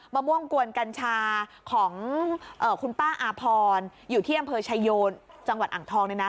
มะม่วงกวนกัญชาของคุณป้าอาพรอยู่ที่อำเภอชายโยนจังหวัดอ่างทองเนี่ยนะ